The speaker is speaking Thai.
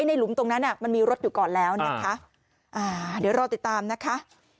หลุมตรงนั้นอ่ะมันมีรถอยู่ก่อนแล้วนะคะอ่าเดี๋ยวรอติดตามนะคะ